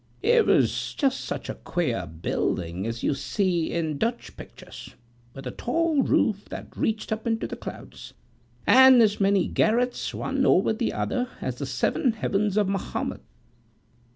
It was just such a queer building as you see in Dutch pictures, with a tall roof that reached up into the clouds; and as many garrets, one over the other, as the seven heavens of Mahomet.